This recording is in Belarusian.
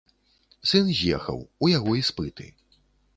Сын з'ехаў, у яго іспыты.